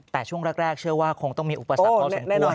แต่ช่วงแรกเชื่อว่าคงต้องมีอุปสรรคพอสมควร